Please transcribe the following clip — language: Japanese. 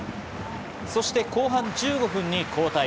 そして後半１５分に交代。